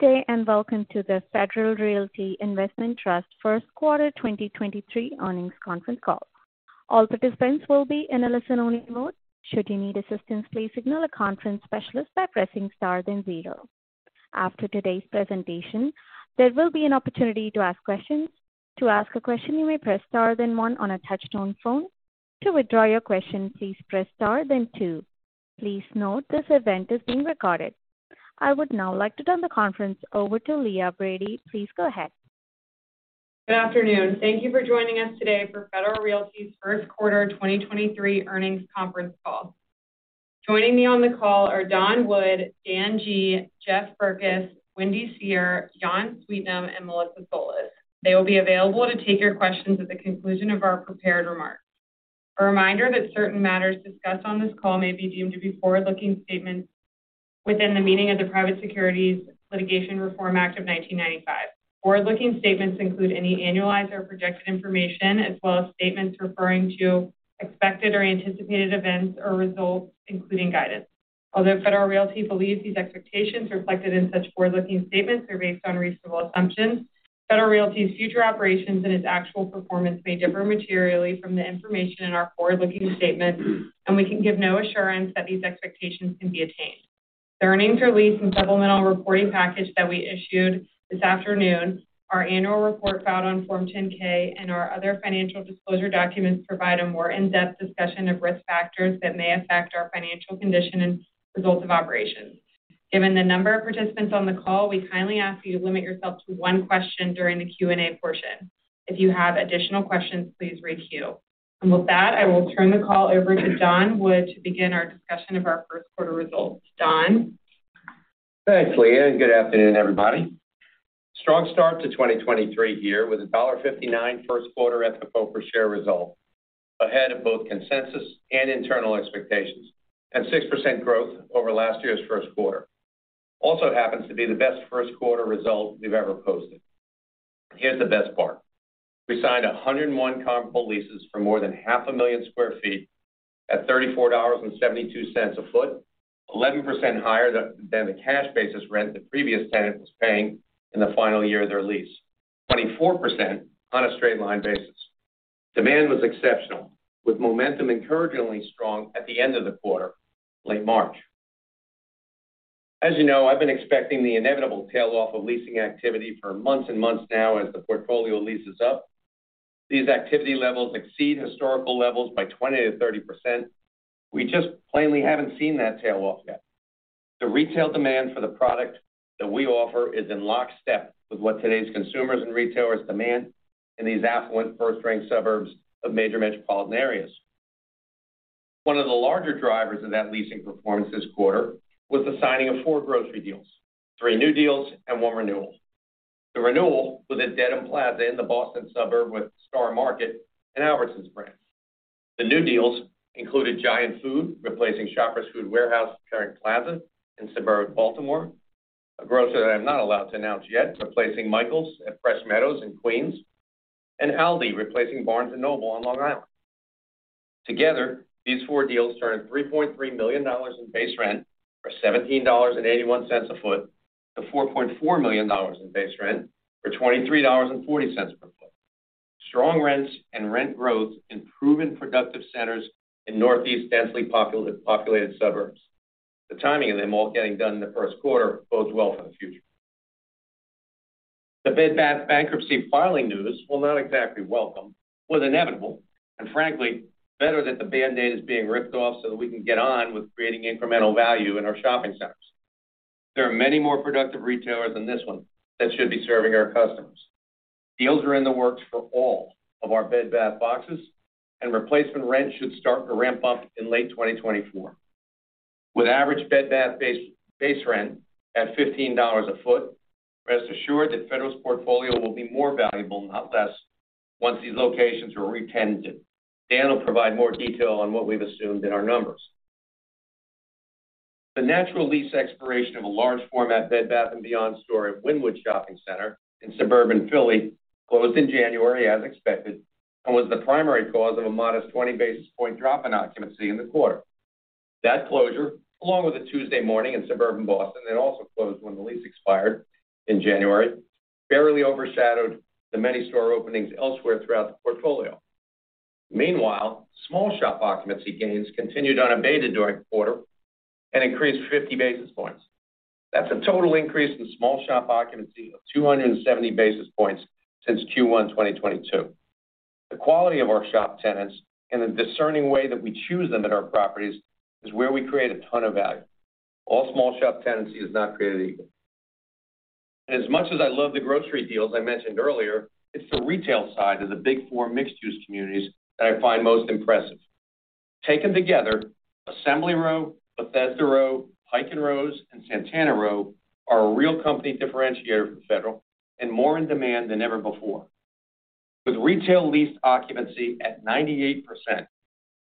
Good day, welcome to the Federal Realty Investment first quarter 2023 earnings conference call. All participants will be in a listen-only mode. Should you need assistance, please signal a conference specialist by pressing star then zero. After today's presentation, there will be an opportunity to ask questions. To ask a question, you may press star then one on a touch-tone phone. To withdraw your question, please press star then two. Please note this event is being recorded. I would now like to turn the conference over to Leah Brady. Please go ahead. Good afternoon. Thank you for joining us today for Federal first quarter 2023 earnings conference call. Joining me on the call are Don Wood, Dan G, Jeff Berkes, Wendy Seher, Jan Sweetnam, and Melissa Solis. They will be available to take your questions at the conclusion of our prepared remarks. A reminder that certain matters discussed on this call may be deemed to be forward-looking statements within the meaning of the Private Securities Litigation Reform Act of 1995. Forward-looking statements include any annualized or projected information, as well as statements referring to expected or anticipated events or results, including guidance. Although Federal Realty believes these expectations reflected in such forward-looking statements are based on reasonable assumptions, Federal Realty's future operations and its actual performance may differ materially from the information in our forward-looking statements, and we can give no assurance that these expectations can be attained. The earnings release and supplemental reporting package that we issued this afternoon, our annual report filed on Form 10-K, and our other financial disclosure documents provide a more in-depth discussion of risk factors that may affect our financial condition and results of operations. Given the number of participants on the call, we kindly ask you to limit yourself to one question during the Q&A portion. If you have additional questions, please re-queue. With that, I will turn the call over to Don Wood to begin our discussion of first quarter results. Don? Thanks, Leah, good afternoon, everybody. Strong start to 2023 here with a first quarter ffo per share result, ahead of both consensus and internal expectations, and 6% growth over last first quarter. also happens to be the first quarter result we've ever posted. Here's the best part. We signed 101 comparable leases for more than 5000,000 sq ft at $34.72 a foot, 11% higher than the cash basis rent the previous tenant was paying in the final year of their lease. 24% on a straight line basis. Demand was exceptional, with momentum encouragingly strong at the end of the quarter, late March. As you know, I've been expecting the inevitable tail off of leasing activity for months and months now as the portfolio leases up. These activity levels exceed historical levels by 20%-30%. We just plainly haven't seen that tail off yet. The retail demand for the product that we offer is in lockstep with what today's consumers and retailers demand in these affluent first rank suburbs of major metropolitan areas. One of the larger drivers of that leasing performance this quarter was the signing of four grocery deals, three new deals and one renewal. The renewal was at Dedham Plaza in the Boston suburb with Star Market and Albertsons branch. The new deals included Giant Food, replacing Shoppers Food Warehouse, Loch Raven Plaza in suburban Baltimore. A grocer that I'm not allowed to announce yet, replacing Michaels at Fresh Meadows in Queens. Aldi replacing Barnes & Noble on Long Island. Together, these four deals started $3.3 million in base rent for $17.81 a foot to $4.4 million in base rent for $23.40 per foot. Strong rents and rent growth in proven productive centers in Northeast densely populated suburbs. The timing of them all getting done in first quarter bodes well for the future. The Bed Bath bankruptcy filing news, while not exactly welcome, was inevitable, and frankly, better that the band-aid is being ripped off so that we can get on with creating incremental value in our shopping centers. There are many more productive retailers than this one that should be serving our customers. Deals are in the works for all of our Bed Bath boxes, and replacement rent should start to ramp up in late 2024. With average Bed Bath base rent at $15 a foot, rest assured that Federal's portfolio will be more valuable, not less, once these locations are re-tenanted. Dan will provide more detail on what we've assumed in our numbers. The natural lease expiration of a large format Bed Bath & Beyond store at Wynnewood Shopping Center in suburban Philly closed in January as expected, was the primary cause of a modest 20 basis point drop in occupancy in the quarter. That closure, along with a Tuesday Morning in suburban Boston that also closed when the lease expired in January, barely overshadowed the many store openings elsewhere throughout the portfolio. Mean while small shop occupancy gains continued unabated during the quarter and increased 50 basis points. That's a total increase in small shop occupancy of 270 basis points since Q1 2022. The quality of our shop tenants and the discerning way that we choose them at our properties is where we create a ton of value. All small shop tenancy is not created equal. As much as I love the grocery deals I mentioned earlier, it's the retail side of the big four mixed-use communities that I find most impressive. Taken together, Assembly Row, Bethesda Row, Pike & Rose, and Santana Row are a real company differentiator for Federal and more in demand than ever before. With retail lease occupancy at 98%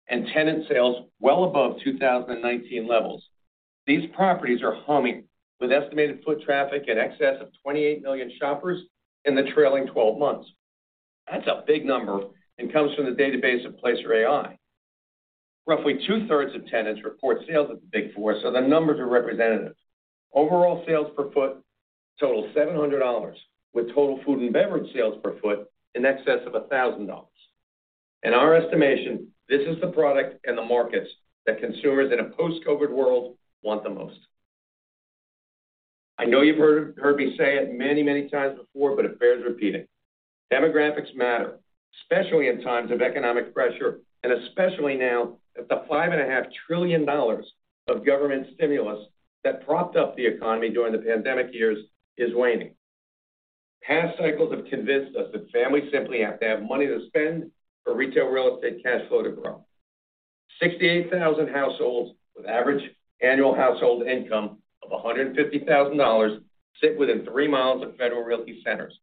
and tenant sales well above 2019 levels, these properties are humming with estimated foot traffic in excess of 28 million shoppers in the trailing 12 months. That's a big number and comes from the database of Placer.ai. Roughly 2/3 of tenants report sales at the big four, so the numbers are representative. Overall sales per foot total $700, with total food and beverage sales per foot in excess of $1,000. In our estimation, this is the product and the markets that consumers in a post-COVID world want the most. I know you've heard me say it many times before, but it bears repeating. Demographics matter, especially in times of economic pressure, and especially now that the $5.5 trillion of government stimulus that propped up the economy during the pandemic years is waning. Past cycles have convinced us that families simply have to have money to spend for retail real estate cash flow to grow. 68,000 households with average annual household income of $150,000 sit within three miles of Federal Realty centers.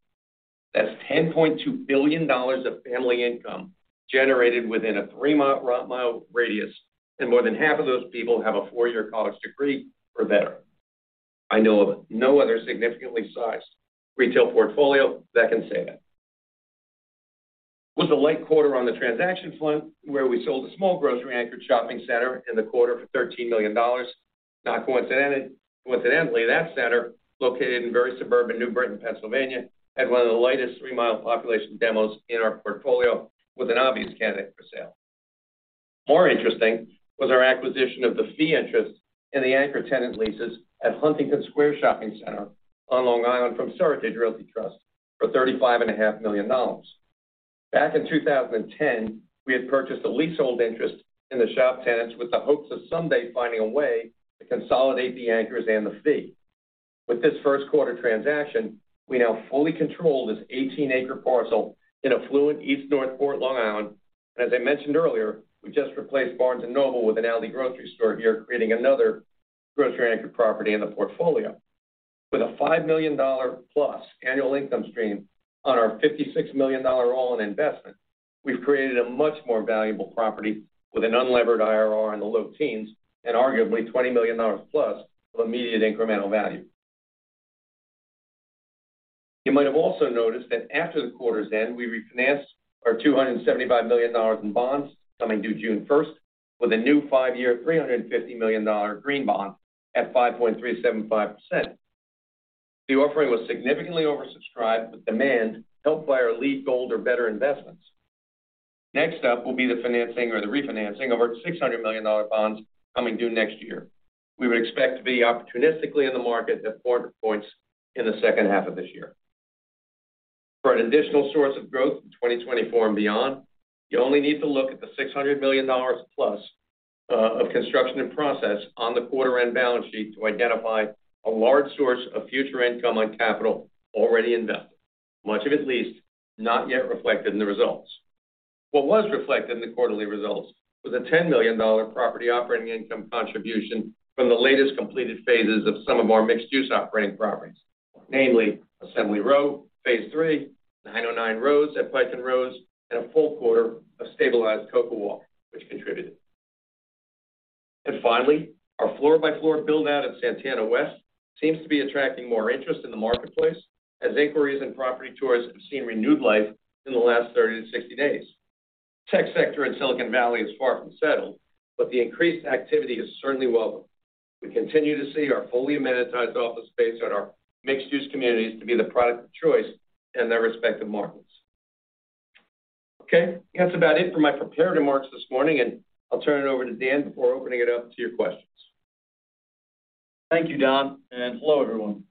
That's $10.2 billion of family income generated within a three-mile mile radius, and more than half of those people have a four-year college degree or better. I know of no other significantly sized retail portfolio that can say that. It was a light quarter on the transaction front, where we sold a small grocery-anchored shopping center in the quarter for $13 million. Not coincidentally, that center, located in very suburban New Britain, Pennsylvania, had one of the lightest three-mile population demos in our portfolio, was an obvious candidate for sale. More interesting was our acquisition of the fee interest in the anchor tenant leases at Huntington Square Shopping Center on Long Island from Seritage Realty Trust for $35.5 million. Back in 2010, we had purchased a leasehold interest in the shop tenants with the hopes of someday finding a way to consolidate the anchors and the fee. With first quarter transaction, we now fully control this 18-acre parcel in affluent East Northport, Long Island. As I mentioned earlier, we just replaced Barnes & Noble with an Aldi grocery store here, creating another grocery anchor property in the portfolio. With a $5+ million annual income stream on our $56 million all-in investment, we've created a much more valuable property with an unlevered IRR in the low teens and arguably $20+ million of immediate incremental value. You might have also noticed that after the quarter's end, we refinanced our $275 million in bonds coming due June first with a new five-year, $350 million green bond at 5.375%. The offering was significantly oversubscribed, with demand helped by our LEED Gold or better investments. Next up will be the financing or the refinancing of our $600 million bonds coming due next year. We would expect to be opportunistically in the market at quarter points in the second half of this year. For an additional source of growth in 2024 and beyond, you only need to look at the $600+ million of construction and process on the quarter end balance sheet to identify a large source of future income on capital already invested, much of it leased, not yet reflected in the results. What was reflected in the quarterly results was a $10 million property operating income contribution from the latest completed phases of some of our mixed use operating properties, namely Assembly Row Phase III, 909 Rose at Pike & Rose, and a full quarter of stabilized CocoWalk, which contributed. Finally, our floor-by-floor build-out at Santana West seems to be attracting more interest in the marketplace as inquiries and property tours have seen renewed life in the last 30-60 days. Tech sector in Silicon Valley is far from settled. The increased activity is certainly welcome. We continue to see our fully amenitized office space at our mixed-use communities to be the product of choice in their respective markets. Okay, that's about it for my prepared remarks this morning. I'll turn it over to Dan before opening it up to your questions. Thank you, Don. Hello, everyone.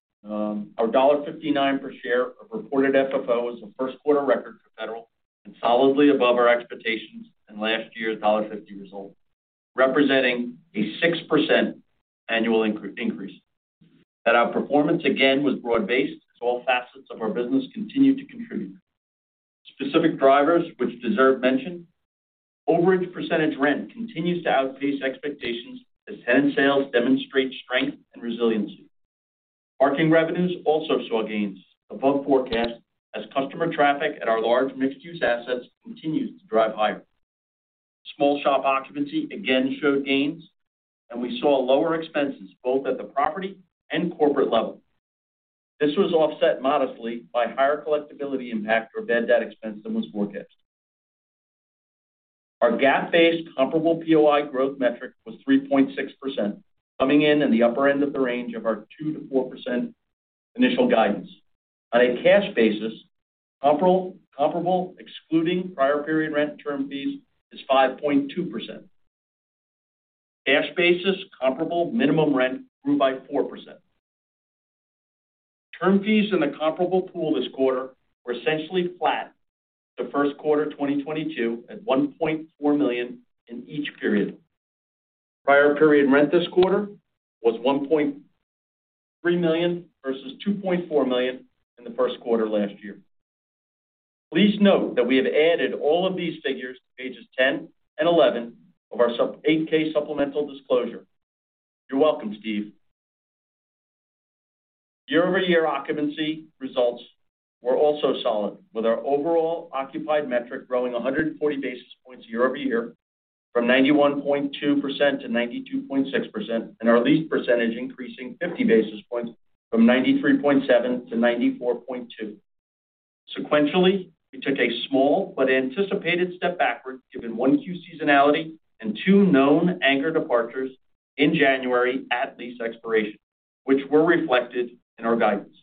Our $1.59 per share of reported FFO is first quarter record for Federal and solidly above our expectations and last year's $1.50 result, representing a 6% annual increase. That our performance again was broad-based as all facets of our business continued to contribute. Specific drivers which deserve mention, overage percentage rent continues to outpace expectations as tenant sales demonstrate strength and resiliency. Parking revenues also saw gains above forecast as customer traffic at our large mixed use assets continues to drive higher. Small shop occupancy again showed gains and we saw lower expenses both at the property and corporate level. This was offset modestly by higher collectibility impact or bad debt expense than was forecast. Our GAAP-based comparable POI growth metric was 3.6%, coming in in the upper end of the range of our 2%-4% initial guidance. On a cash basis, comparable excluding prior period rent and term fees is 5.2%. Cash basis comparable minimum rent grew by 4%. Term fees in the comparable pool this quarter were essentially flat first quarter 2022 at $1.4 million in each period. Prior period rent this quarter was $1.3 million versus $2.4 million in first quarter last year. Please note that we have added all of these figures to pages 10 and 11 of our 8-K supplemental disclosure. You're welcome, Steve. Year-over-year occupancy results were also solid with our overall occupied metric growing 140 basis points year-over-year from 91.2%-92.6% and our lease percentage increasing 50 basis points from 93.7%-94.2%. Sequentially, we took a small but anticipated step backward given 1Q seasonality and two known anchor departures in January at lease expiration, which were reflected in our guidance.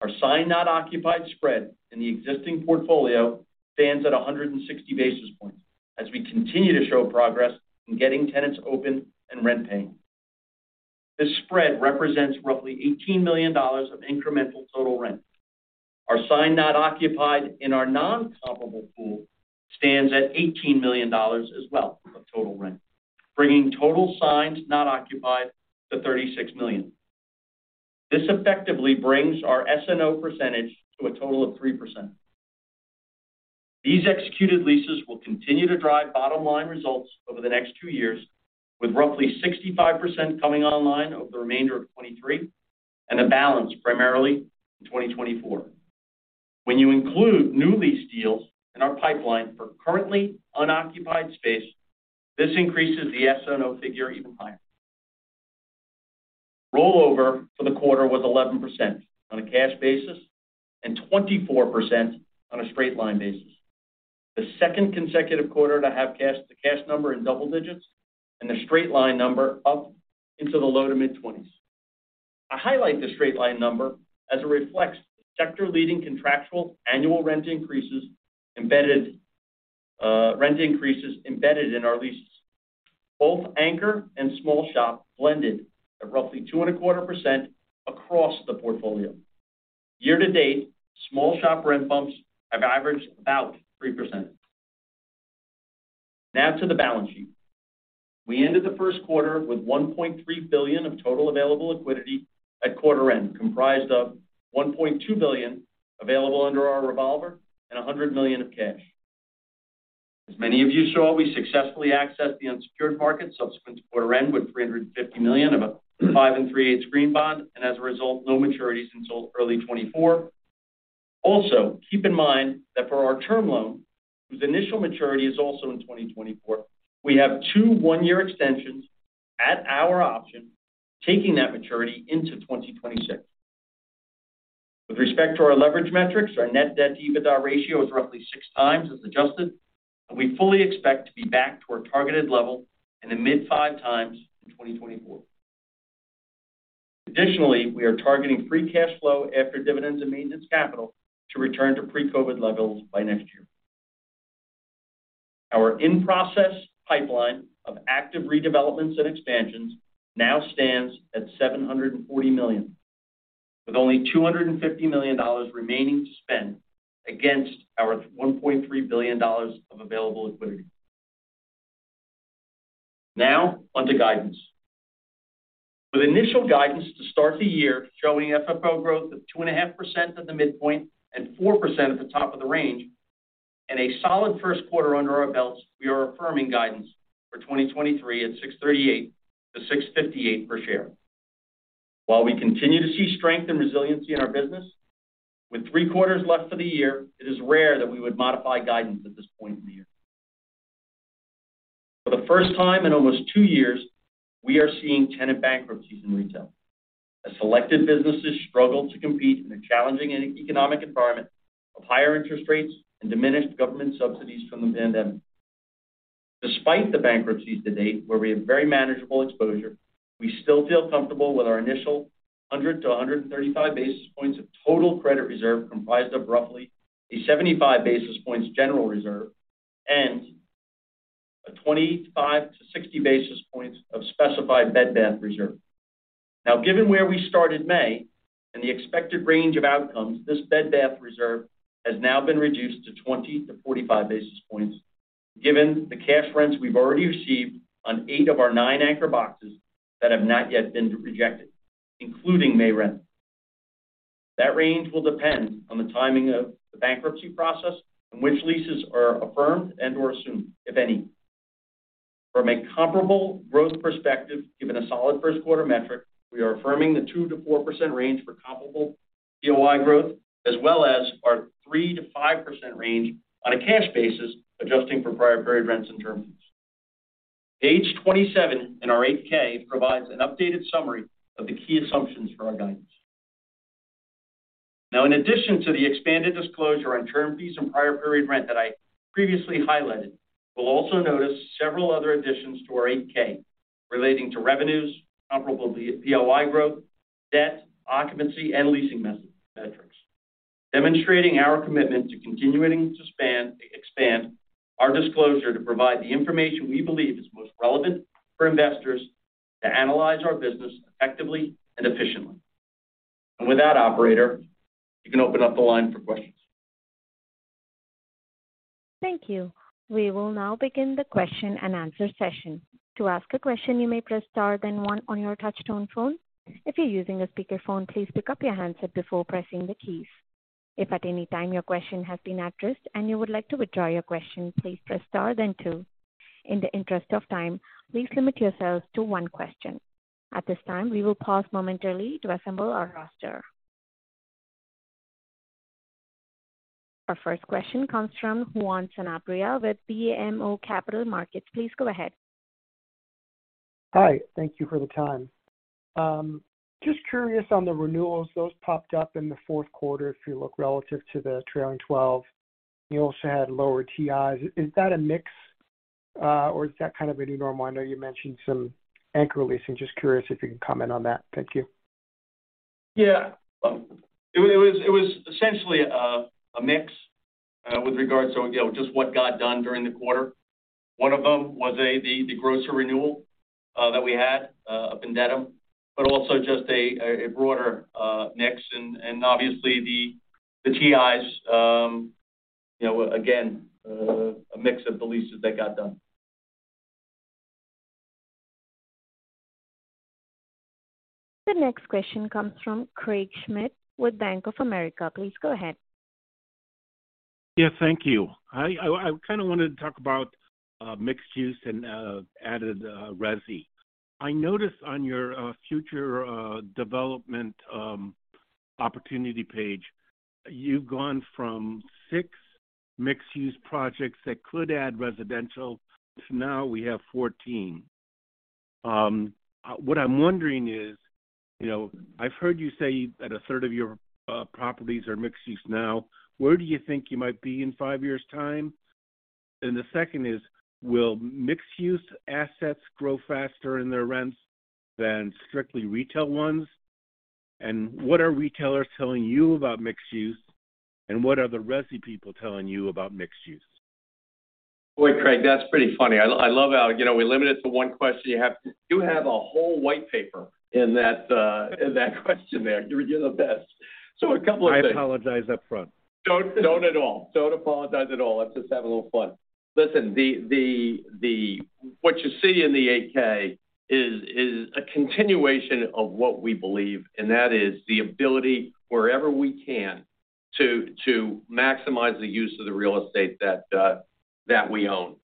Our signed not occupied spread in the existing portfolio stands at 160 basis points as we continue to show progress in getting tenants open and rent paying. This spread represents roughly $18 million of incremental total rent. Our signed not occupied in our non-comparable pool stands at $18 million as well of total rent, bringing total signed not occupied to $36 million. This effectively brings our SNO percentage to a total of 3%. These executed leases will continue to drive bottom-line results over the next two years, with roughly 65% coming online over the remainder of 2023 and the balance primarily in 2024. When you include new lease deals in our pipeline for currently unoccupied space, this increases the SNO figure even higher. Rollover for the quarter was 11% on a cash basis and 24% on a straight line basis. The second consecutive quarter to have the cash number in double digits and the straight line number up into the low to mid-twenties. I highlight the straight line number as it reflects sector-leading contractual annual rent increases embedded in our leases. Both anchor and small shop blended at roughly 2.25% across the portfolio. Year-to-date, small shop rent bumps have averaged about 3%. Now to the balance sheet. We ended first quarter with $1.3 billion of total available liquidity at quarter end, comprised of $1.2 billion available under our revolver and $100 million of cash. As many of you saw, we successfully accessed the unsecured market subsequent to quarter end, with $350 million of a five and three-eighths green bond, and as a result, no maturities until early 2024. Also, keep in mind that for our term loan, whose initial maturity is also in 2024, we have two one-year extensions at our option, taking that maturity into 2026. With respect to our leverage metrics, our net debt to EBITDA ratio is roughly 6x as adjusted. We fully expect to be back to our targeted level in the mid 5x in 2024. Additionally, we are targeting free cash flow after dividends and maintenance capital to return to pre-COVID levels by next year. Our in-process pipeline of active redevelopments and expansions now stands at $740 million, with only $250 million remaining to spend against our $1.3 billion of available liquidity. On to guidance. With initial guidance to start the year showing FFO growth of 2.5% at the midpoint and 4% at the top of the range and a first quarter under our belts, we are affirming guidance for 2023 at $6.38-$6.58 per share. While we continue to see strength and resiliency in our business, with three quarters left for the year, it is rare that we would modify guidance at this point in the year. For the first time in almost two years, we are seeing tenant bankruptcies in retail as selected businesses struggle to compete in a challenging economic environment of higher interest rates and diminished government subsidies from the pandemic. Despite the bankruptcies to-date, where we have very manageable exposure, we still feel comfortable with our initial 100-135 basis points of total credit reserve, comprised of roughly a 75 basis points general reserve and a 25-60 basis points of specified Bed Bath reserve. Given where we started May and the expected range of outcomes, this Bed Bath reserve has now been reduced to 20-45 basis points, given the cash rents we've already received on eight of our nine anchor boxes that have not yet been rejected, including May rent. That range will depend on the timing of the bankruptcy process and which leases are affirmed and/or assumed, if any. From a comparable growth perspective, given a first quarter metric, we are affirming the 2%-4% range for comparable POI growth as well as our 3%-5% range on a cash basis, adjusting for prior period rents and terminals. Page 27 in our 8-K provides an updated summary of the key assumptions for our guidance. Now in addition to the expanded disclosure on term fees and prior period rent that I previously highlighted, you'll also notice several other additions to our 8-K relating to revenues, comparable POI growth, debt, occupancy, and leasing metrics, demonstrating our commitment to continuing to expand our disclosure to provide the information we believe is most relevant for investors to analyze our business effectively and efficiently. With that, operator, you can open up the line for questions. Thank you. We will now begin the question-and-answer session. To ask a question, you may press star then one on your touch tone phone. If you're using a speakerphone, please pick up your handset before pressing the keys. If at any time your question has been addressed and you would like to withdraw your question, please press star then two. In the interest of time, please limit yourselves to one question. At this time, we will pause momentarily to assemble our roster. Our first question comes from Juan Sanabria with BMO Capital Markets. Please go ahead. Thank you for the time. Just curious on the renewals, those popped up in the fourth quarter. If you look relative to the trailing 12, you also had lower TIs. Is that a mix, or is that kind of a new normal? I know you mentioned some anchor leasing. Just curious if you can comment on that. Thank you. Yeah. It was essentially a mix, with regards to, you know, just what got done during the quarter. One of them was the grocery renewal that we had up in Dedham, but also just a broader mix. Obviously the TIs, you know, again, a mix of the leases that got done. The next question comes from Craig Schmidt with Bank of America. Please go ahead. Yeah, thank you. I kind of wanted to talk about mixed use and added resi. I noticed on your future development opportunity page, you've gone from six mixed use projects that could add residential to now we have 14. What I'm wondering is, you know, I've heard you say that 1/3 of your properties are mixed use now. Where do you think you might be in five years' time? The second is, will mixed use assets grow faster in their rents than strictly retail ones? What are retailers telling you about mixed use, and what are the resi people telling you about mixed use? Boy, Craig, that's pretty funny. I love how, you know, we limit it to one question. You have a whole white paper in that in that question there. You're the best. A couple of things. I apologize upfront. Don't at all. Don't apologize at all. Let's just have a little fun. Listen, what you see in the 8-K is a continuation of what we believe, and that is the ability wherever we can to maximize the use of the real estate that we own,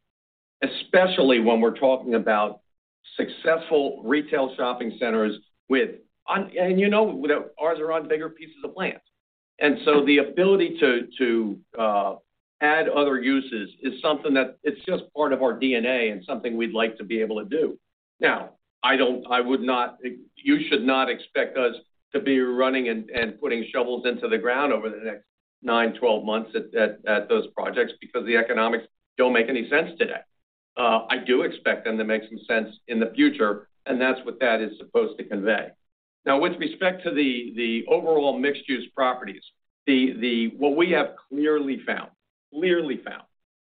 especially when we're talking about successful retail shopping centers with... You know that ours are on bigger pieces of land. The ability to add other uses is something that it's just part of our DNA and something we'd like to be able to do. Now, I would not. You should not expect us to be running and putting shovels into the ground over the next nine, 12 months at those projects because the economics don't make any sense today. I do expect them to make some sense in the future. That's what that is supposed to convey. With respect to the overall mixed use properties, what we have clearly found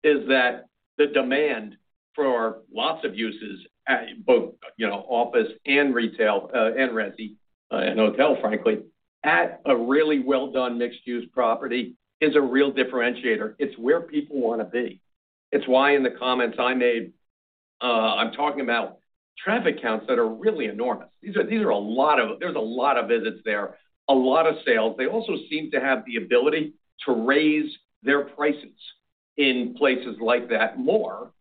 is that the demand for lots of uses at both, you know, office and retail, and resi, and hotel, frankly, at a really well-done mixed use property is a real differentiator. It's where people wanna be. It's why in the comments I made, I'm talking about traffic counts that are really enormous. These are a lot of- there's a lot of visits there, a lot of sales. They also seem to have the ability to raise their prices in places like that more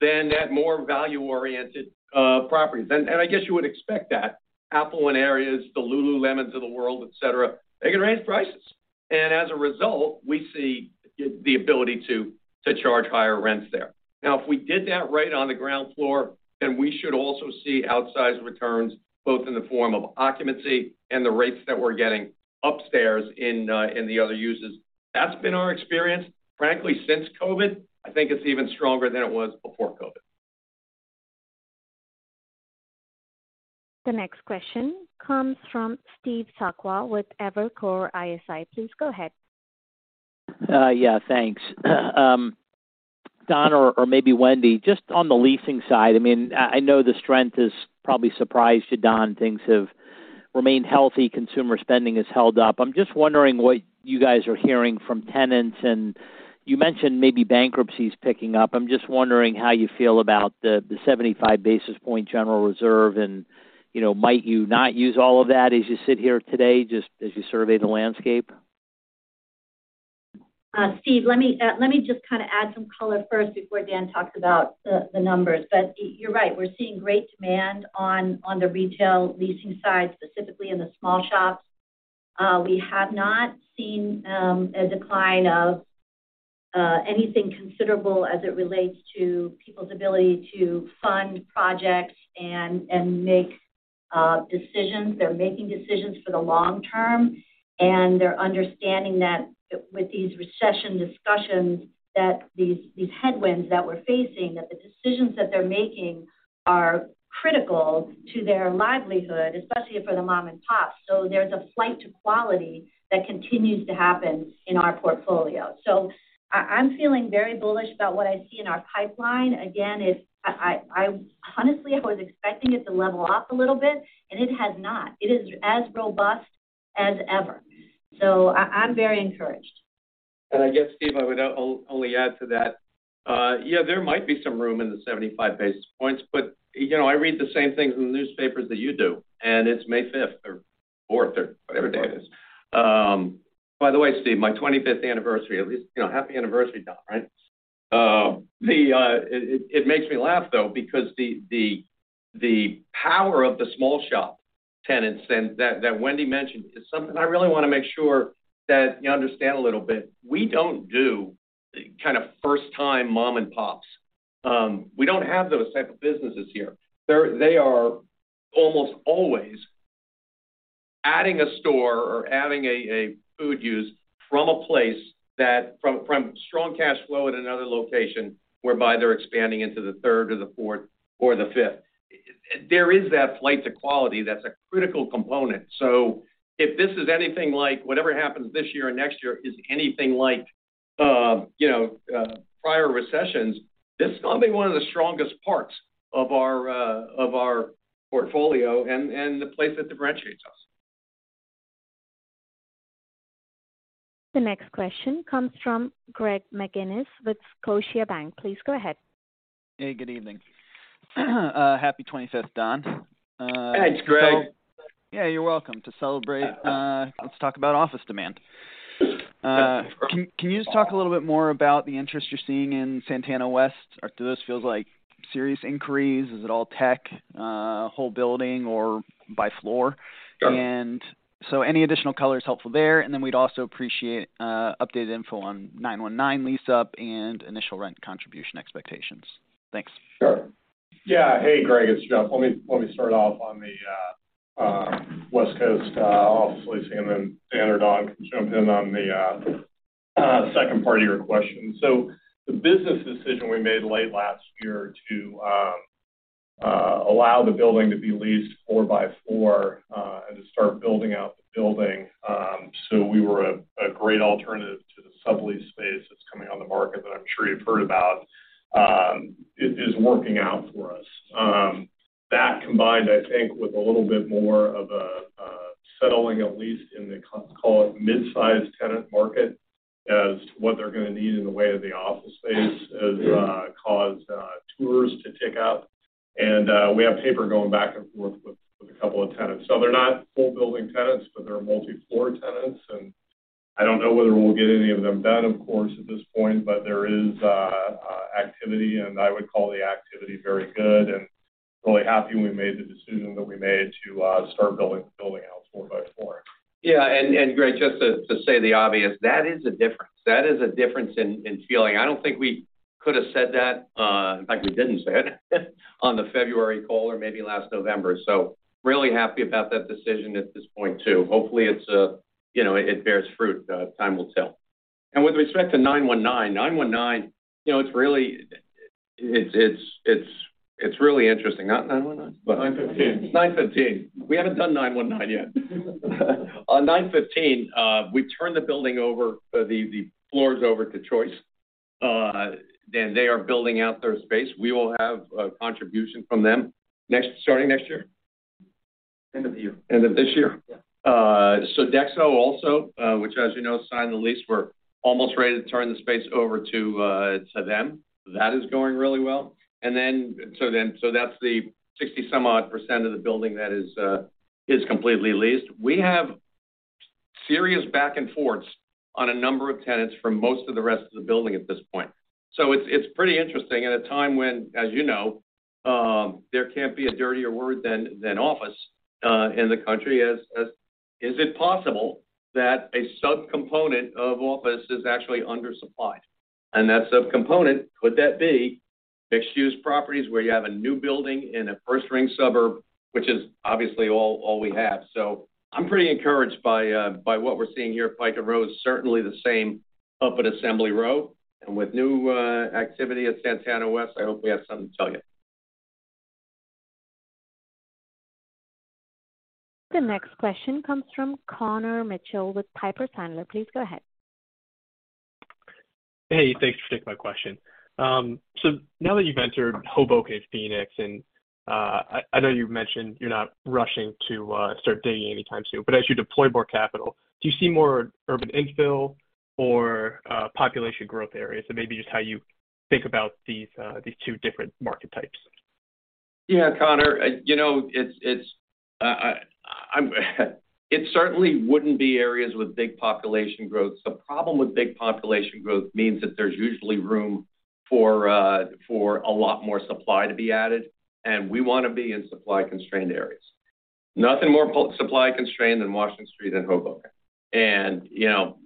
than at more value-oriented properties. I guess you would expect that. Apple in areas, the lululemon of the world, et cetera, they can raise prices. As a result, we see the ability to charge higher rents there. If we did that right on the ground floor, we should also see outsized returns, both in the form of occupancy and the rates that we're getting upstairs in the other uses. That's been our experience. Frankly, since COVID, I think it's even stronger than it was before COVID. The next question comes from Steve Sakwa with Evercore ISI. Please go ahead. Yeah, thanks. Don or maybe Wendy, just on the leasing side, I mean, I know the strength is probably surprise to Don. Things have remained healthy, consumer spending has held up. I'm just wondering what you guys are hearing from tenants. You mentioned maybe bankruptcies picking up. I'm just wondering how you feel about the 75 basis point general reserve and, you know, might you not use all of that as you sit here today, just as you survey the landscape? Steve, let me just kind of add some color first before Dan talks about the numbers. You're right, we're seeing great demand on the retail leasing side, specifically in the small shops. We have not seen a decline of anything considerable as it relates to people's ability to fund projects and make decisions. They're making decisions for the long term, and they're understanding that with these recession discussions, that these headwinds that we're facing, that the decisions that they're making are critical to their livelihood, especially for the mom and pops. There's a flight to quality that continues to happen in our portfolio. I'm feeling very bullish about what I see in our pipeline. Again, honestly, I was expecting it to level off a little bit, and it has not. It is as robust as ever. I'm very encouraged. Steve, I would only add to that. Yeah, there might be some room in the 75 basis points, but, you know, I read the same things in the newspapers that you do, and it's May 5th or 4th or whatever day it is. By the way, Steve Sakwa, my 25th anniversary, at least, you know, happy anniversary, Don Wood, right? It makes me laugh, though, because the power of the small shop tenants and that Wendy mentioned is something I really wanna make sure that you understand a little bit. We don't do kind of first time mom and pops. We don't have those type of businesses here. They are almost always adding a store or adding a food use from a place that from strong cash flow in another location whereby they're expanding into the third or the fourth or the fifth. There is that flight to quality that's a critical component. If this is anything like whatever happens this year or next year is anything like, you know, prior recessions, this is gonna be one of the strongest parts of our portfolio and the place that differentiates us. The next question comes from Greg McGinniss with Scotiabank. Please go ahead. Good evening. Happy 25th, Don. Thanks, Greg. Yeah, you're welcome. To celebrate, let's talk about office demand. Can you just talk a little bit more about the interest you're seeing in Santana West? Are those feels like serious inquiries? Is it all tech, whole building or by floor? Sure. Any additional color is helpful there. We'd also appreciate updated info on 919 Walnut Street lease up and initial rent contribution expectations. Thanks. Sure. Yeah. Greg, it's Jeff. Let me start off on the West Coast office leasing, and then Dan or Don can jump in on the second part of your question. The business decision we made late last year to allow the building to be leased floor by floor and to start building out the building, so we were a great alternative to the sublease space that's coming on the market that I'm sure you've heard about is working out for us. That combined, I think, with a little bit more of a settling, at least in the call it mid-sized tenant market as to what they're gonna need in the way of the office space has caused tours to tick up. We have paper going back and forth with a couple of tenants. They're not full building tenants, but they're multi-floor tenants. I don't know whether we'll get any of them done, of course, at this point, but there is activity, and I would call the activity very good and really happy we made the decision that we made to start building the building out floor by floor. Yeah. Greg, just to say the obvious, that is a difference. That is a difference in feeling. I don't think we could have said that, in fact, we didn't say it on the February call or maybe last November. Really happy about that decision at this point, too. Hopefully, it's a... you know, it bears fruit. Time will tell. With respect to 919, you know, it's really interesting. Not 919. 915. 915. We haven't done 919 yet. 915, we turned the building over, the floors over to Choice, and they are building out their space. We will have a contribution from them starting next year. End of the year. End of this year. Yeah. Sodexo also, which as you know, signed the lease. We're almost ready to turn the space over to them. That is going really well. That's the 60 some odd percent of the building that is completely leased. We have serious back and forths on a number of tenants from most of the rest of the building at this point. It's, it's pretty interesting at a time when, as you know, there can't be a dirtier word than office in the country as is it possible that a subcomponent of office is actually undersupplied. That subcomponent, could that be mixed-use properties where you have a new building in a first-ring suburb, which is obviously all we have. I'm pretty encouraged by what we're seeing here at Pike & Rose, certainly the same up at assembly Row. With new activity at Santana West, I hope we have something to tell you. The next question comes from Connor Mitchell with Piper Sandler. Please go ahead. Thanks for taking my question. Now that you've entered Hoboken, Phoenix, and I know you've mentioned you're not rushing to start digging anytime soon, as you deploy more capital, do you see more urban infill or population growth areas? Maybe just how you think about these two different market types? Yeah, Connor. You know, it certainly wouldn't be areas with big population growth. The problem with big population growth means that there's usually room for a lot more supply to be added, and we wanna be in supply-constrained areas. Nothing more supply constrained than Washington Street in Hoboken.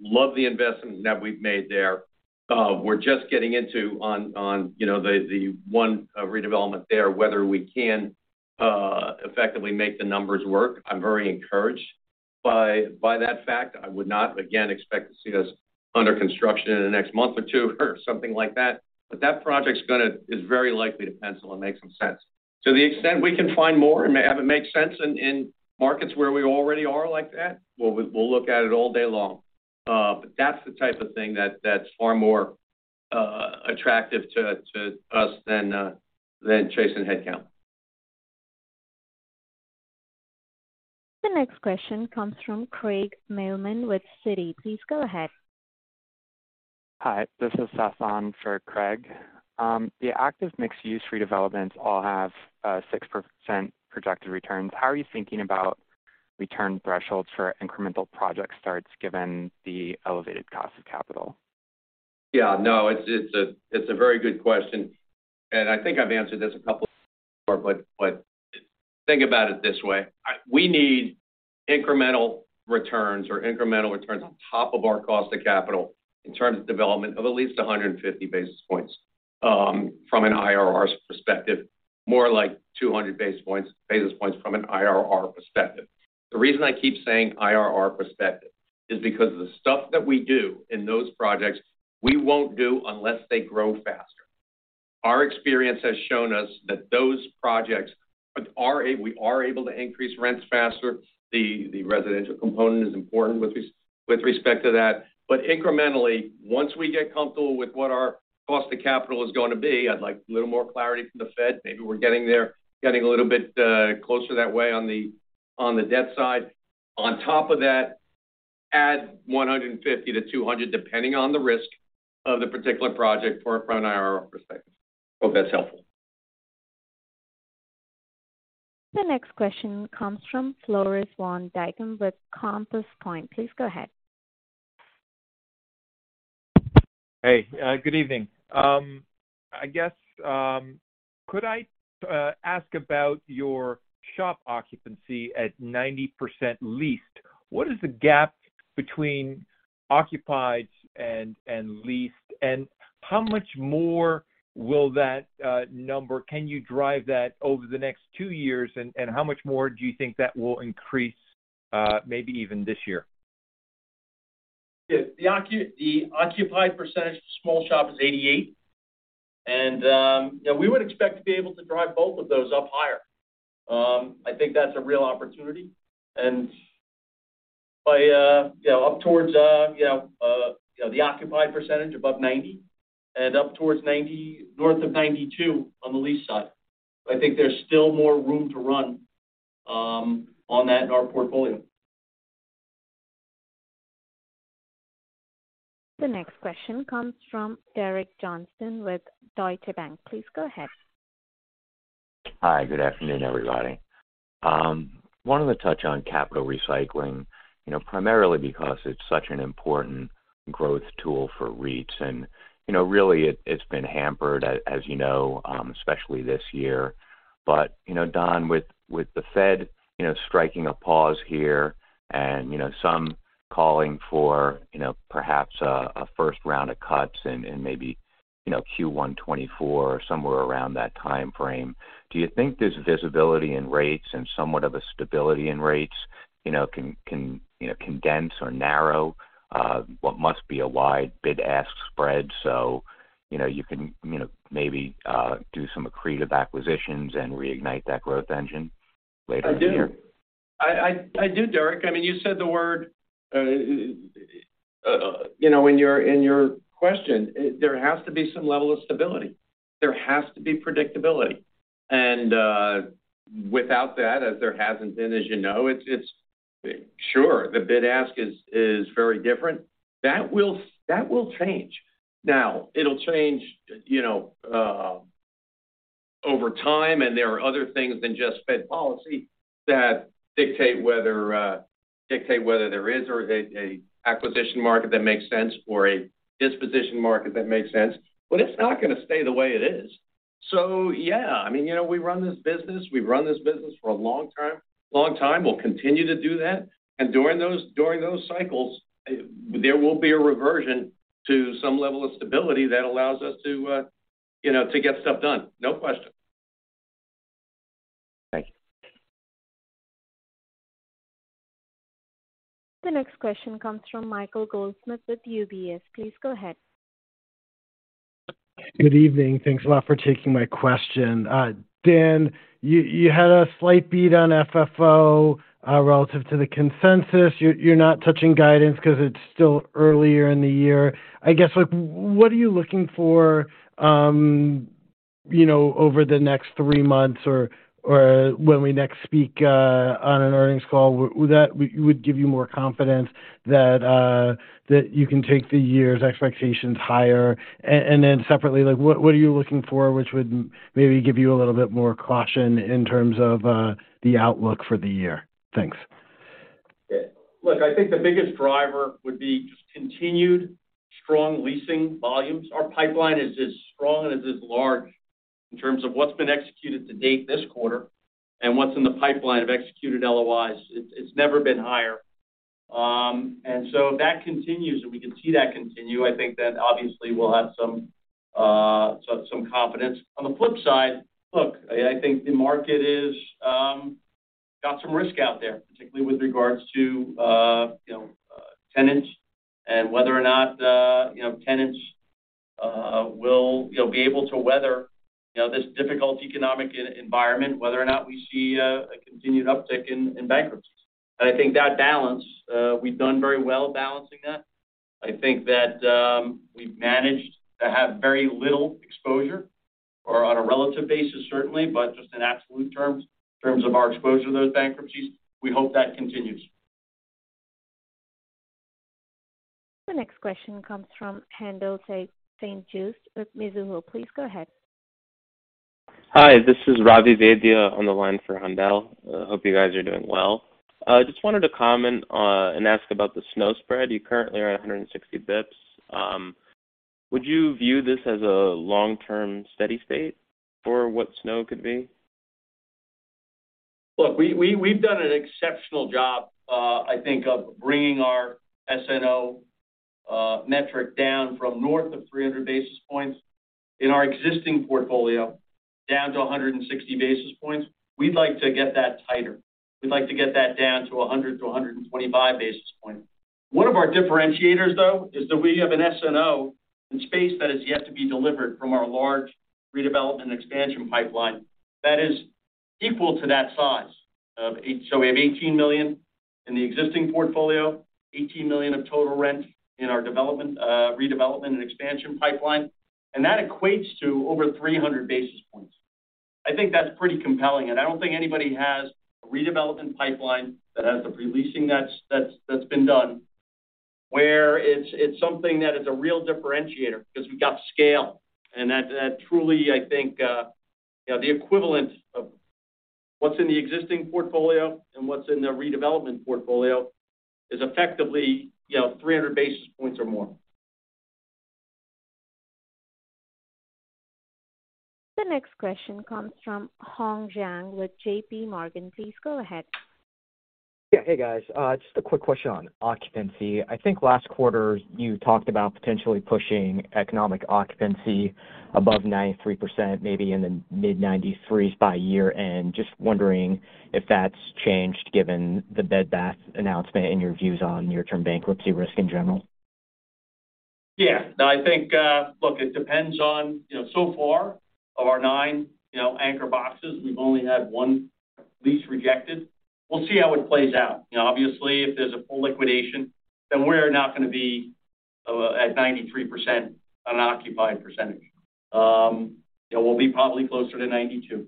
Love the investment that we've made there. We're just getting into on, you know, the one redevelopment there, whether we can effectively make the numbers work. I'm very encouraged by that fact. I would not, again, expect to see us under construction in the next month or two or something like that. That project is very likely to pencil and make some sense. To the extent we can find more and have it make sense in markets where we already are like that, we'll look at it all day long. That's the type of thing that's far more attractive to us than chasing headcount. The next question comes from Craig Mailman with Citi. Please go ahead. This is Sasan for Craig. The active mixed-use redevelopments all have 6% projected returns. How are you thinking about return thresholds for incremental project starts given the elevated cost of capital? Yeah. No, it's a very good question. I think I've answered this a couple of times before. Think about it this way. We need incremental returns or incremental returns on top of our cost of capital in terms of development of at least 150 basis points from an IRR's perspective, more like 200 basis points from an IRR perspective. The reason I keep saying IRR perspective is because the stuff that we do in those projects, we won't do unless they grow faster. Our experience has shown us that those projects we are able to increase rents faster. The residential component is important with respect to that. Incrementally, once we get comfortable with what our cost of capital is gonna be, I'd like a little more clarity from the Fed. Maybe we're getting there, getting a little bit closer that way on the debt side. On top of that, add 150-200, depending on the risk of the particular project from an IRR perspective. Hope that's helpful. The next question comes from Floris van Dijkum with Compass Point. Please go ahead. Good evening. I guess, could I ask about your shop occupancy at 90% leased? What is the gap between occupied and leased? How much more will that number can you drive that over the next two years? How much more do you think that will increase, maybe even this year? Yeah. The occupied percentage of small shop is 88%. You know, we would expect to be able to drive both of those up higher. I think that's a real opportunity. You know, up towards, you know, the occupied percentage above 90% and up towards north of 92% on the lease side. I think there's still more room to run on that in our portfolio. The next question comes from Derek Johnston with Deutsche Bank. Please go ahead. Good afternoon, everybody. Wanted to touch on capital recycling, you know, primarily because it's such an important growth tool for REITs. You know, really it's been hampered, as you know, especially this year. Don, with the Fed, you know, striking a pause here and, you know, some calling for, you know, perhaps a first round of cuts in maybe, you first quarter 2024 or somewhere around that timeframe. Do you think there's visibility in rates and somewhat of a stability in rates, you know, can, you know, condense or narrow what must be a wide bid-ask spread so, you know, you can, you know, maybe do some accretive acquisitions and reignite that growth engine later in the year? I do, Derek. I mean, you said the word, you know, in your question. There has to be some level of stability. There has to be predictability. Without that, as there hasn't been, as you know, it's. Sure, the bid-ask is very different. That will change. It'll change, you know, over time, and there are other things than just Fed policy that dictate whether there is or a acquisition market that makes sense or a disposition market that makes sense. It's not gonna stay the way it is. Yeah, I mean, you know, we run this business, we've run this business for a long time. We'll continue to do that and during those cycles, there will be a reversion to some level of stability that allows us to, you know, to get stuff done. No question. Thank you. The next question comes from Michael Goldsmith with UBS. Please go ahead. Good evening. Thanks a lot for taking my question. Dan, you had a slight beat on FFO relative to the consensus. You're not touching guidance 'cause it's still earlier in the year. I guess, like, what are you looking for, you know, over the next three months or when we next speak on an earnings call that would give you more confidence that you can take the year's expectations higher? Separately, like what are you looking for which would maybe give you a little bit more caution in terms of the outlook for the year? Thanks. Look, I think the biggest driver would be just continued strong leasing volumes. Our pipeline is as strong and as large in terms of what's been executed to date this quarter and what's in the pipeline of executed LOIs. It's never been higher. If that continues or we can see that continue, I think then obviously we'll have some confidence. On the flip side, look, I think the market is got some risk out there, particularly with regards to, you know, tenants and whether or not, you know, tenants will, you know, be able to weather, you know, this difficult economic environment, whether or not we see a continued uptick in bankruptcies. I think that balance, we've done very well balancing that. I think that, we've managed to have very little exposure or on a relative basis, certainly, but just in absolute terms, in terms of our exposure to those bankruptcies, we hope that continues. The next question comes from Haendel St. Juste with Mizuho. Please go ahead. This is Ravi Vaidya on the line for Haendel. I hope you guys are doing well. Just wanted to comment, and ask about the SNO spread. You currently are at 160 basis points. Would you view this as a long-term steady state for what SNO could be? We've done an exceptional job, I think of bringing our SNO metric down from north of 300 basis points in our existing portfolio down to 160 basis points. We'd like to get that tighter. We'd like to get that down to 100-125 basis points. One of our differentiators, though, is that we have an SNO in space that is yet to be delivered from our large redevelopment and expansion pipeline that is equal to that size. We have $18 million in the existing portfolio, $18 million of total rent in our development, redevelopment and expansion pipeline, and that equates to over 300 basis points. I think that's pretty compelling. I don't think anybody has a redevelopment pipeline that has the pre-leasing that's been done, where it's something that is a real differentiator because we got scale. That truly, I think, you know, the equivalent of what's in the existing portfolio and what's in the redevelopment portfolio is effectively, you know, 300 basis points or more. The next question comes from Hong Zhang with J.P. Morgan. Please go ahead. Hey, guys. Just a quick question on occupancy. I think last quarter you talked about potentially pushing economic occupancy above 93%, maybe in the mid-93s by year-end. Just wondering if that's changed given the Bed Bath announcement and your views on near-term bankruptcy risk in general. No, I think, look, it depends on, you know, so far of our nine, you know, anchor boxes, we've only had one lease rejected. We'll see how it plays out. You know, obviously, if there's a full liquidation, then we're not going to be at 93% on occupied percentage. We'll be probably closer to 92.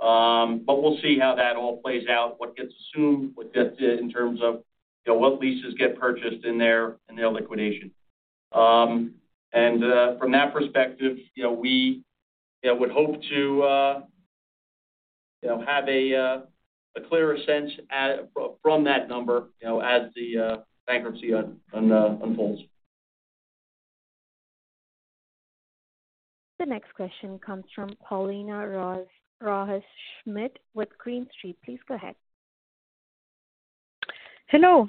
We'll see how that all plays out, what gets assumed, what gets, in terms of, you know, what leases get purchased in their liquidation. From that perspective, you know, we, you know, would hope to, you know, have a clearer sense from that number, you know, as the bankruptcy unfolds. The next question comes from Paulina Rojas-Schmidt with Green Street. Please go ahead. Hello.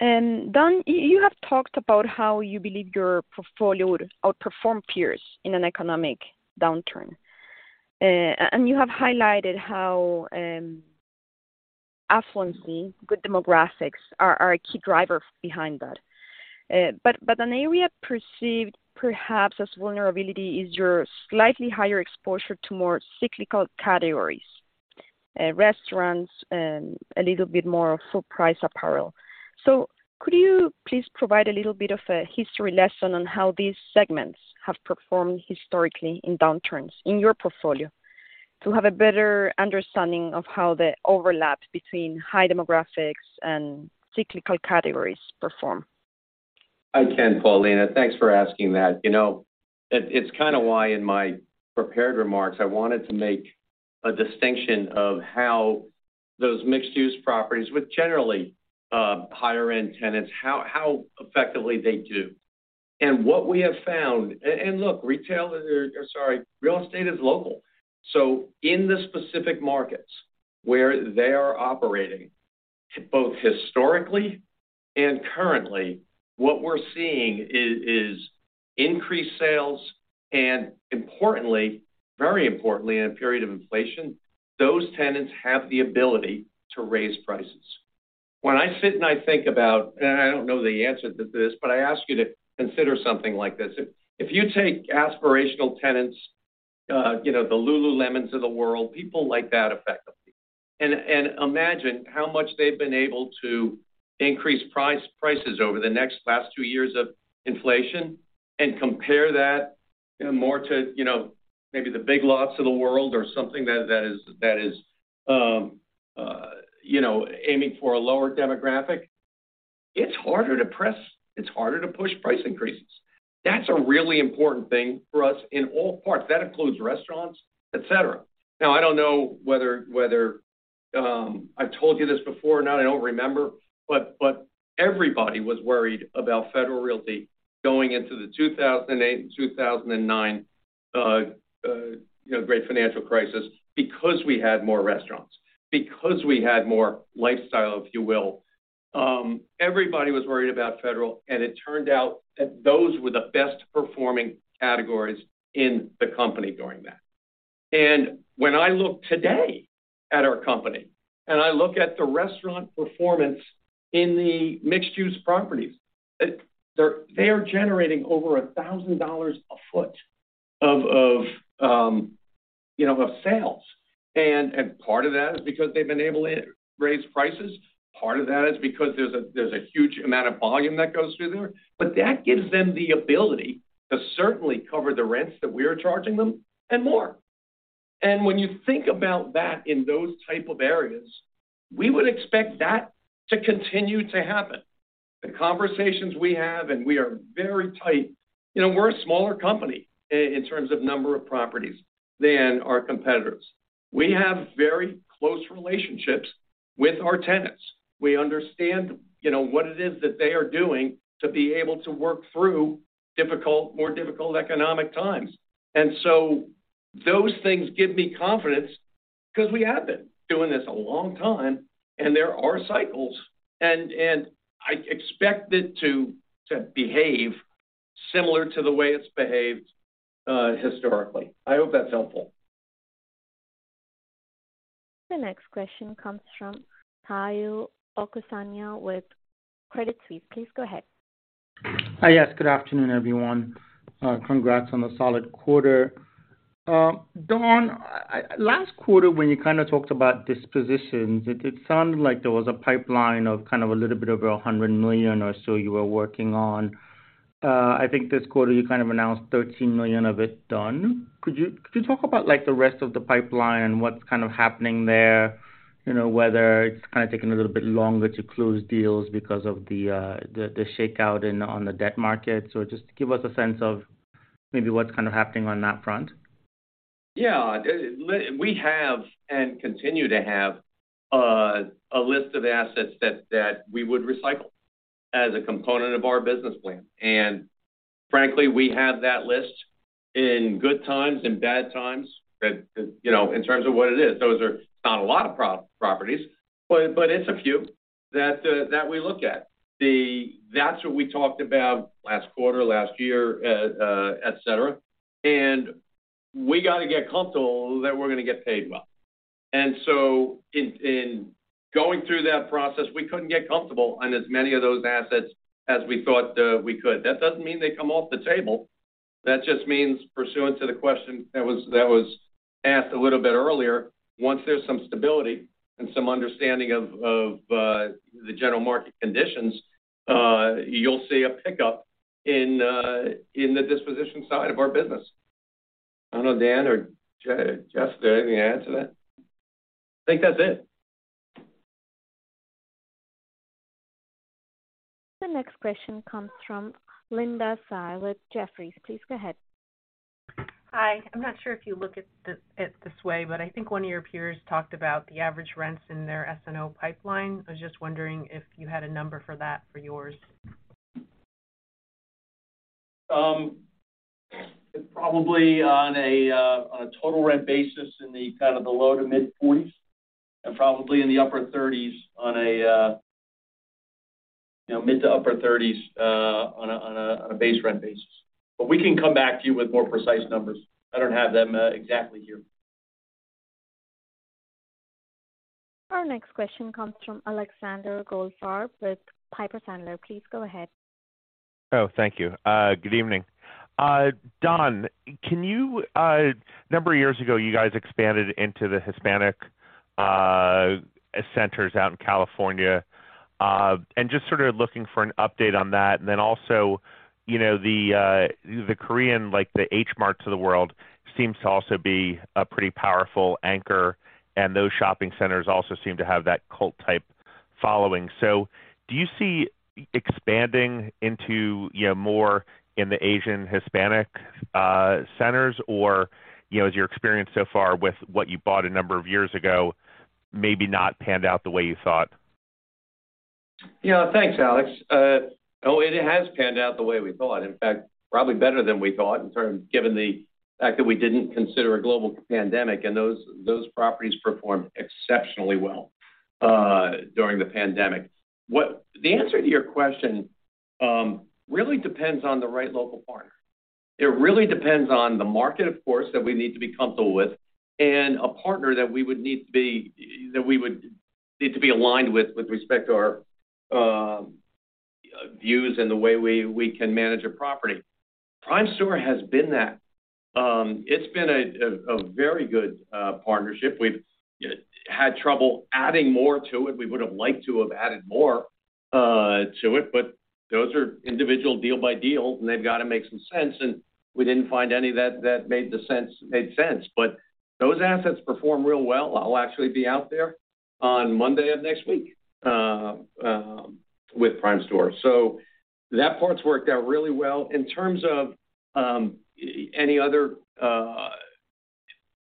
Don, you have talked about how you believe your portfolio would outperform peers in an economic downturn, and you have highlighted how affluency, good demographics are a key driver behind that, but an area perceived perhaps as vulnerability is your slightly higher exposure to more cyclical categories, restaurants and a little bit more full price apparel. Could you please provide a little bit of a history lesson on how these segments have performed historically in downturns in your portfolio to have a better understanding of how the overlaps between high demographics and cyclical categories perform? I can, Paulina. Thanks for asking that. You know, it's kind of why in my prepared remarks, I wanted to make a distinction of how those mixed-use properties with generally, higher end tenants, how effectively they do. What we have found. Look, retail, sorry, real estate is local. In the specific markets where they are operating, both historically and currently, what we're seeing is increased sales, and importantly, very importantly, in a period of inflation, those tenants have the ability to raise prices. When I sit and I think about, and I don't know the answer to this, but I ask you to consider something like this. If you take aspirational tenants, you know, the lululemon of the world, people like that effectively, and imagine how much they've been able to increase prices over the next last two years of inflation and compare that, you know, more to, you know, maybe the Big Lots of the world or something that that is, you know, aiming for a lower demographic, it's harder to push price increases. That's a really important thing for us in all parts. That includes restaurants, et cetera. I don't know whether I've told you this before or not, I don't remember. Everybody was worried about Federal Realty going into the 2008 and 2009, you know, great financial crisis because we had more restaurants, because we had more lifestyle, if you will. Everybody was worried about Federal, and it turned out that those were the best performing categories in the company during that. When I look today at our company, and I look at the restaurant performance in the mixed-use properties, they are generating over $1,000 a foot, you know, of sales. Part of that is because they've been able to raise prices. Part of that is because there's a huge amount of volume that goes through there. That gives them the ability to certainly cover the rents that we're charging them and more. When you think about that in those type of areas, we would expect that to continue to happen. The conversations we have, and we are very tight. You know, we're a smaller company in terms of number of properties than our competitors. We have very close relationships with our tenants. We understand, you know, what it is that they are doing to be able to work through difficult, more difficult economic times. Those things give me confidence because we have been doing this a long time and there are cycles, and I expect it to behave similar to the way it's behaved historically. I hope that's helpful. The next question comes from Tayo Okusanya with Credit Suisse. Please go ahead. Yes, good afternoon, everyone. Congrats on the solid quarter. Don, last quarter, when you kinda talked about dispositions, it sounded like there was a pipeline of kind of a little bit over $100 million or so you were working on. I think this quarter you kind of announced $13 million of it done. Could you talk about like the rest of the pipeline and what's kind of happening there, you know, whether it's kinda taking a little bit longer to close deals because of the shakeout on the debt market. Just give us a sense of maybe what's kind of happening on that front. Yeah. We have and continue to have a list of assets that we would recycle as a component of our business plan. Frankly, we have that list in good times and bad times that, you know, in terms of what it is, those are not a lot of pro-properties, but it's a few that we look at. That's what we talked about last quarter, last year, et cetera. We gotta get comfortable that we're gonna get paid well. So in going through that process, we couldn't get comfortable on as many of those assets as we thought we could. That doesn't mean they come off the table. That just means pursuant to the question that was asked a little bit earlier, once there's some stability and some understanding of the general market conditions, you'll see a pickup in the disposition side of our business. I don't know, Dan or Jeff, do you have anything to add to that? I think that's it. The next question comes from Linda Tsai with Jefferies. Please go ahead. I'm not sure if you look at this way, but I think one of your peers talked about the average rents in their SNO pipeline. I was just wondering if you had a number for that for yours? Probably on a total rent basis in the kind of the low to mid-40s, and probably in the upper 30s, you know, mid to upper 30s, on a base rent basis. We can come back to you with more precise numbers. I don't have them exactly here. Our next question comes from Alexander Goldfarb with Piper Sandler. Please go ahead. Thank you. Good evening. Don, a number of years ago, you guys expanded into the Hispanic centers out in California, and just sort of looking for an update on that. Also, you know, the Korean, like the H Mart of the world seems to also be a pretty powerful anchor, and those shopping centers also seem to have that cult type following. Do you see expanding into, you know, more in the Asian, Hispanic centers? You know, has your experience so far with what you bought a number of years ago, maybe not panned out the way you thought? Thanks, Alex. No, it has panned out the way we thought. In fact, probably better than we thought in terms of given the fact that we didn't consider a global pandemic, and those properties performed exceptionally well during the pandemic. The answer to your question really depends on the right local partner. It really depends on the market, of course, that we need to be comfortable with and a partner that we would need to be aligned with respect to our views and the way we can manage a property. Primestor has been that. It's been a very good partnership. We've had trouble adding more to it. We would have liked to have added more to it, but those are individual deal by deal, and they've got to make some sense, and we didn't find any that made sense. Those assets perform real well. I'll actually be out there on Monday of next week with Primestor. That part's worked out really well. In terms of any other,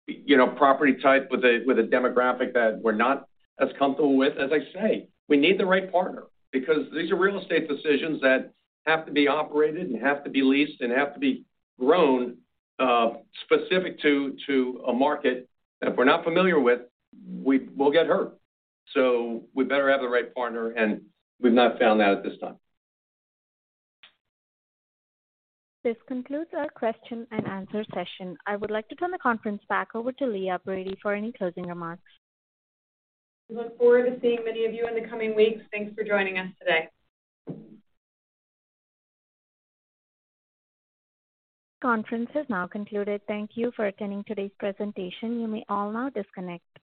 you know, property type with a demographic that we're not as comfortable with, as I say, we need the right partner because these are real estate decisions that have to be operated and have to be leased and have to be grown specific to a market that if we're not familiar with, we will get hurt. We better have the right partner, and we've not found that at this time. This concludes our question-and-answer session. I would like to turn the conference back over to Leah Brady for any closing remarks. We look forward to seeing many of you in the coming weeks. Thanks for joining us today. Conference is now concluded. Thank you for attending today's presentation. You may all now disconnect.